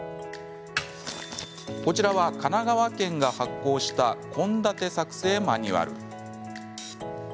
こちらは神奈川県が発行した献立作成マニュアル。